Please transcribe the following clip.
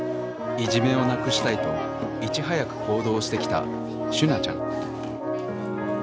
いじめをなくしたいといち早く行動してきたしゅなちゃん。